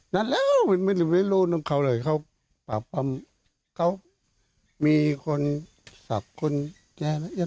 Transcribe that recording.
นั่นแล้วมันไม่รู้น้องเขาเลยเขาปรับปรับเขามีคนศัพท์คนแย่แล้ว